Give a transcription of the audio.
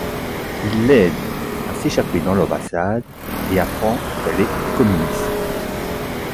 Il l'aide à s'échapper dans l'ambassade et apprend qu'elle est communiste.